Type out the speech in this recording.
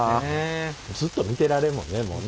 ずっと見てられるもんねもうね。